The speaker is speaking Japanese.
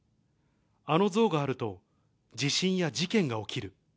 あの像があると、地震や事件が起きる。